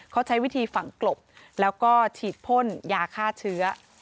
เขาใช้วิธีฝังกลบแล้วก็ฉีดพ่นยาฆ่าเชื้อ